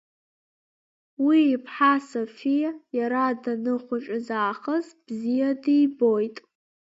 Уи иԥҳа Софиа иара данхәыҷыз аахыс бзиа дибоит.